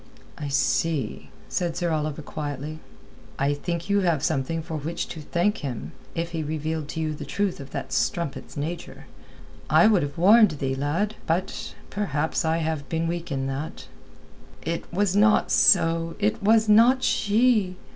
"I see," said Sir Oliver quietly. "I think you have something for which to thank him, if he revealed to you the truth of that strumpet's nature. I would have warned thee, lad. But... Perhaps I have been weak in that." "It was not so; it was not she...."